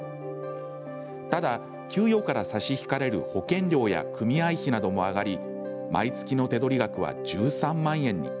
ただ、給与から差し引かれる保険料や組合費なども上がり毎月の手取り額は１３万円に。